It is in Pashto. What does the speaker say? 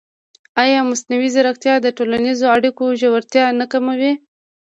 ایا مصنوعي ځیرکتیا د ټولنیزو اړیکو ژورتیا نه کموي؟